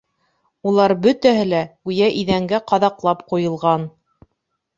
Улар бөтәһе лә, гүйә, иҙәнгә ҡаҙаҡлап ҡуйылған.